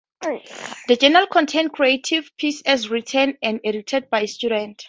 The journal contains creatives pieces as written and edited by students.